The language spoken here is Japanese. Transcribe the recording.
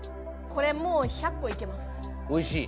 これもう１００個いけますおいしい？